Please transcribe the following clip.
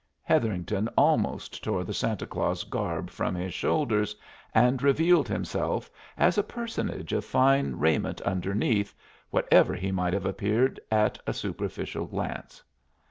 Hetherington almost tore the Santa Claus garb from his shoulders, and revealed himself as a personage of fine raiment underneath, whatever he might have appeared at a superficial glance.